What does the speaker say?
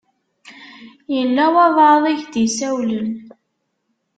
Yella walebɛaḍ i ak-d-isawlen.